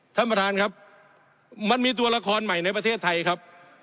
ท่านประธานครับมันมีตัวละครใหม่ในประเทศไทยครับ